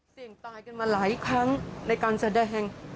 เสี่ยงตายกันมาหลายครั้งในการแสดง